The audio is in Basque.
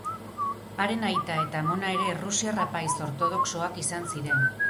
Haren aita eta aitona ere errusiar apaiz ortodoxoak izan ziren.